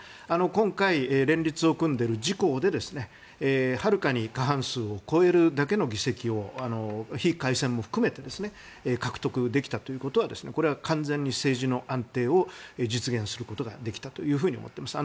今回、連立を組んでいる自公ではるかに過半数を超えるだけの議席を非改選も含めて獲得できたということはこれは完全に政治の安定を実現することができたと思っています。